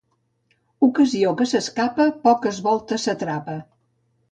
Ocasió que s'escapa, poques voltes s'atrapa.